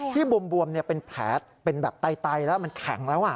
บวมเป็นแผลเป็นแบบไตแล้วมันแข็งแล้ว